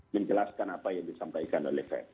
menjelaskan apa yang disampaikan oleh fed